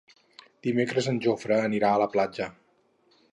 Dimecres en Jofre anirà a la platja.